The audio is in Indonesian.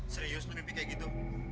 serius mimpi kayak gitu